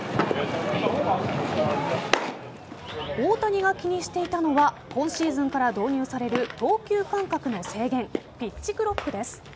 大谷が気にしていたのは今シーズンから導入される投球間隔の制限ピッチ・クロックです。